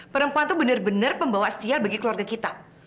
perempuan itu benar benar pembawa sial ke keluarga kita